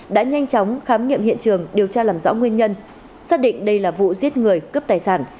đã nhanh chóng khám nghiệm hiện trường điều tra làm rõ nguyên nhân xác định đây là vụ giết người cướp tài sản